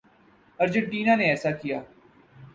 Argentina نے ایسا کیا۔